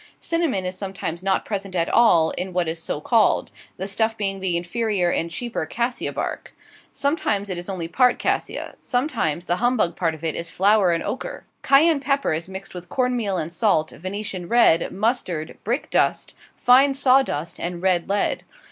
Cinnamon is sometimes not present at all in what is so called the stuff being the inferior and cheaper cassia bark; sometimes it is only part cassia; sometimes the humbug part of it is flour and ochre. Cayenne pepper is mixed with corn meal and salt, Venetian red, mustard, brickdust, fine sawdust, and red lead.